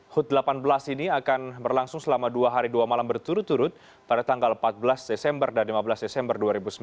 hut delapan belas ini akan berlangsung selama dua hari dua malam berturut turut pada tanggal empat belas desember dan lima belas desember dua ribu sembilan belas